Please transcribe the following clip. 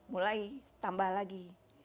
mulai tambah lagi